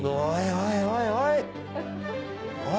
おいおいおい！